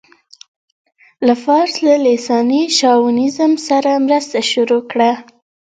له فارس له لېساني شاونيزم سره مرسته شروع کړه.